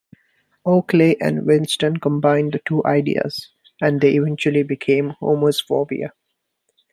Oakley and Weinstein combined the two ideas and they eventually became "Homer's Phobia".